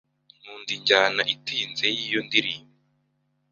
Nkunda injyana itinze yiyo ndirimbo.